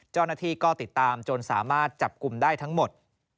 เจ้าหน้าที่ก็ติดตามจนสามารถจับกลุ่มได้ทั้งหมด